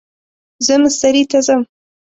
زه مستری ته ځم